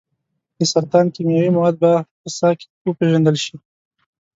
د سرطان کیمیاوي مواد به په ساه کې وپیژندل شي.